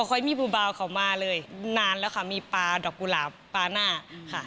ค่อยมีบูบาวเขามาเลยนานแล้วค่ะมีปลาดอกกุหลาบปลาหน้าค่ะ